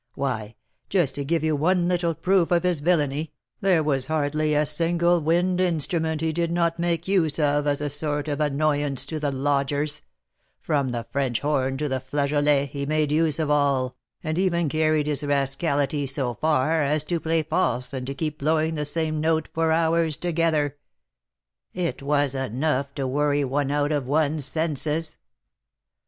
Why, just to give you one little proof of his villainy, there was hardly a single wind instrument he did not make use of as a sort of annoyance to the lodgers; from the French horn to the flageolet, he made use of all, and even carried his rascality so far as to play false and to keep blowing the same note for hours together; it was enough to worry one out of one's senses.